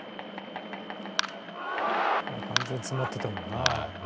完全に詰まってたもんな。